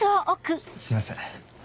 すいません